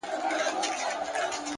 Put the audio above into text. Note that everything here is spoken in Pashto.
هره ناکامي پټ درس لري,